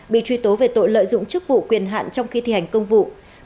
bị truy tố về tội lợi dụng chức vụ quyền hạn trong khi thi hành công vụ